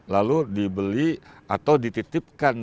lalu dibeli atau dititipkan